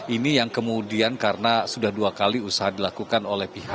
ini yang kemudian karena sudah dua kali artinya diwakilkan oleh sandi handika